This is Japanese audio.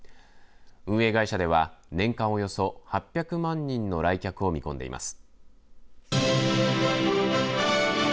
運営会社では年間およそ８００万人の来客を見込んでいます。